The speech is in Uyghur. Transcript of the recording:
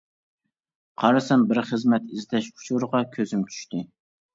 قارىسام بىر خىزمەت ئىزدەش ئۇچۇرىغا كۆزۈم چۈشتى.